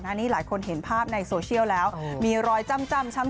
หน้านี้หลายคนเห็นภาพในโฟร์เซียลแล้วมีรอยจ่ำจ่ำช้ำ